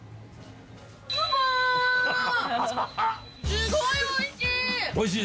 すごいおいしい！